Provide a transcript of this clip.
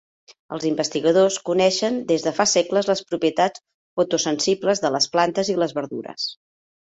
Els investigadors coneixen des de fa segles les propietats fotosensibles de les plantes i les verdures.